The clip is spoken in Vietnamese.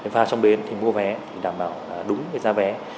vào trong bến thì mua vé đảm bảo đúng giá vé